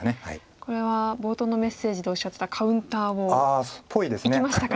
これは冒頭のメッセージでおっしゃってたカウンターをいきましたか？